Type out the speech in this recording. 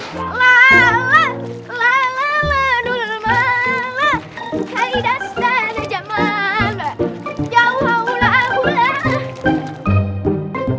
hai hai hai dasar jaman ya allah allah